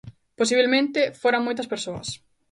Posibelmente foran moitas persoas.